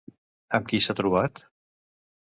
Amb qui s'ha trobat?